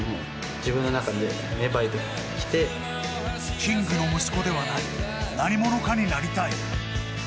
キングの息子ではない何者かになりたい。